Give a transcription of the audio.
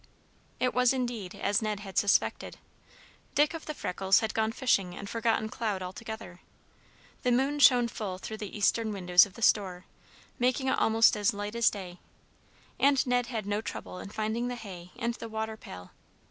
It was, indeed, as Ned had suspected. Dick of the freckles had gone fishing and forgotten Cloud altogether. The moon shone full through the eastern windows of the store, making it almost as light as day, and Ned had no trouble in finding the hay and the water pail.